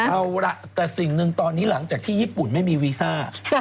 เอาล่ะแต่สิ่งหนึ่งตอนนี้หลังจากที่ญี่ปุ่นไม่มีวีซ่า